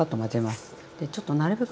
でちょっとなるべく早く。